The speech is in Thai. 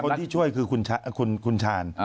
คนที่ช่วยคือคุณชาญ